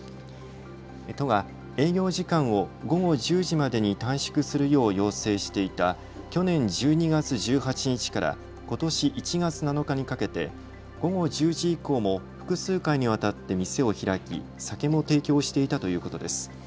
都は、営業時間を午後１０時までに短縮するよう要請していた去年１２月１８日からことし１月７日にかけて午後１０時以降も複数回にわたって店を開き、酒も提供していたということです。